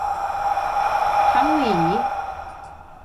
ทั้งหวี